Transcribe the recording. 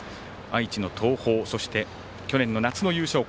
愛知の東邦そして、去年の夏の優勝校